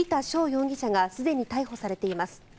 容疑者がすでに逮捕されています。